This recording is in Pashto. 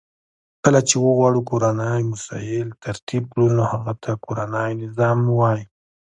کله چی وغواړو کورنی مسایل ترتیب کړو نو هغه ته کورنی نظام وای .